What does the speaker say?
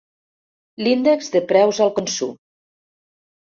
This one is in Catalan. L'índex de preus al consum.